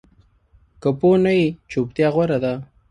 که پوه نه یې، چُپتیا غوره ده